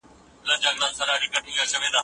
د تجربې تکرار د هر علم بنسټ دی.